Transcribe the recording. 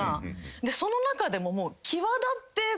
でその中でも。